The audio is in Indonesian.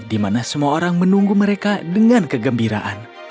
di mana semua orang menunggu mereka dengan kegembiraan